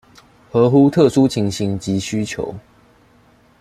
合乎特殊情形及需求